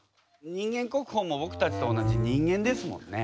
人間国宝もぼくたちと同じ人間ですもんね。